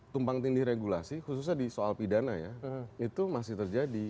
tumpang tindih regulasi khususnya di soal pidana ya itu masih terjadi